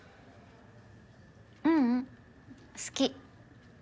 ううん好き。